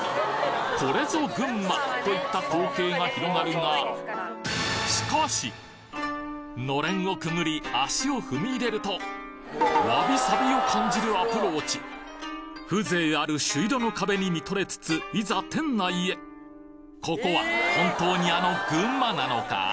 これぞ群馬！といった光景が広がるが暖簾をくぐり足を踏み入れるとわびさびを感じるアプローチ風情ある朱色の壁に見とれつついざ店内へここは本当にあの群馬なのか？